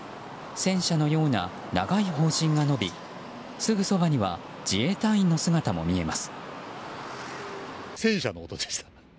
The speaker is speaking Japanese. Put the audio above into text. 戦車のような長い砲身が伸びすぐそばには自衛隊員の姿も見えます。